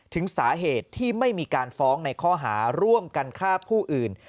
ถึงสาเหตุที่ไม่มีการฟ้องในข้อหาร่วมกันฆ่าผู้อื่น